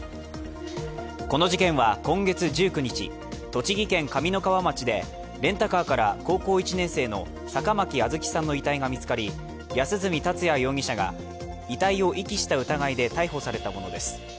この事件は、今月１９日栃木県上三川町でレンタカーから高校１年生の坂巻杏月さんの遺体が見つかり安栖達也容疑者が遺体を遺棄した疑いで逮捕されたものです。